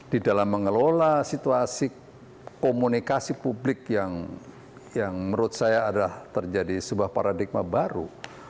di dalam mengelola situasi komunikasi publik yang menurut saya adalah terjadi sebuah paradigma baru